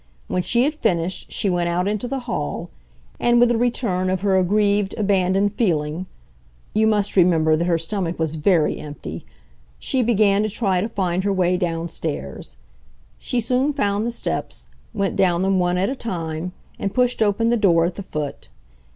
When she had finished she went out into the hall, and with a return of her aggrieved, abandoned feeling (you must remember that her stomach was very empty) she began to try to find her way downstairs. She soon found the steps, went down them one at a time, and pushed open the door at the foot.